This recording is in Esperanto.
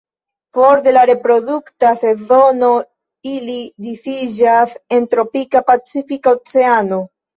For de la reprodukta sezono ili disiĝas en tropika Pacifika Oceano.